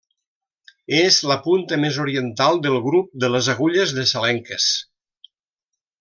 És la punta més oriental del grup de les agulles de Salenques.